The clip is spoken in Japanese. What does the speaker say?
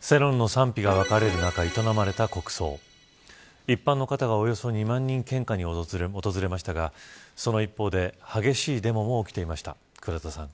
世論の賛否が分かれる中営まれた国葬一般の方がおよそ２万人献花に訪れましたがその一方で激しいデモも起きていました。